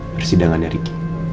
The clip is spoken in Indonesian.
persidangan dari g